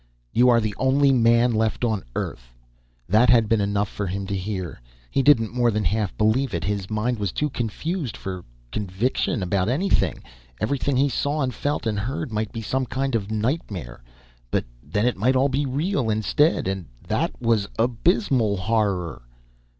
"You are the only man left on Earth." That had been enough for him to hear. He didn't more than half believe it. His mind was too confused for conviction about anything. Everything he saw and felt and heard might be some kind of nightmare. But then it might all be real instead, and that was abysmal horror.